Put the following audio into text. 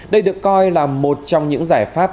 đây được coi là một trong những giải pháp